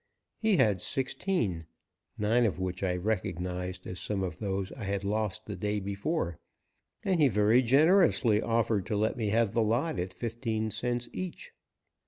He had sixteen, nine of which I recognized as some of those I had lost the day before, and he very generously offered to let me have the lot at fifteen cents each.